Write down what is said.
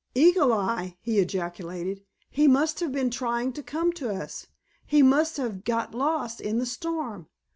"Eagle Eye?" he ejaculated; "he must have been trying to come to us! He must have got lost in the storm!